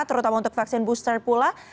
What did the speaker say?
terutama untuk vaksin booster pula